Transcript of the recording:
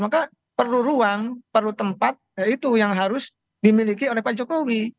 maka perlu ruang perlu tempat itu yang harus dimiliki oleh pak jokowi